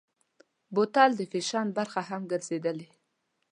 بوتل د فیشن برخه هم ګرځېدلې.